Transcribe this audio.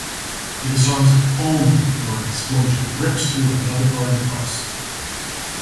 He disarms it only before an explosion rips through another part of the bus.